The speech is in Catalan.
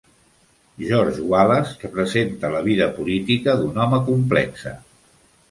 "George Wallace" representa la vida política d'un home complexe.